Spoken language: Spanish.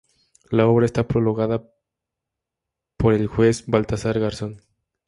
La obra está prologada por el juez Baltasar Garzón.